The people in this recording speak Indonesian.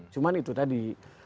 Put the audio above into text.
cuma itu tadi